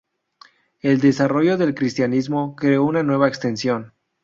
El desarrollo del cristianismo creó una nueva extensión.